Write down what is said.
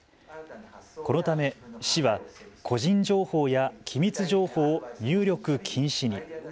このため市は個人情報や機密情報を入力禁止に。